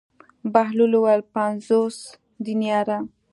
بهلول وویل: پنځوس دیناره.